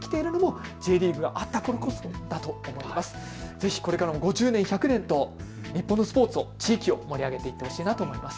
ぜひこれからも５０年、１００年と地域を盛り上げていってほしいなと思います。